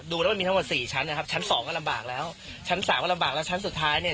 ดูแล้วมันมีทั้งหมดสี่ชั้นนะครับชั้นสองก็ลำบากแล้วชั้นสามก็ลำบากแล้วชั้นสุดท้ายเนี่ย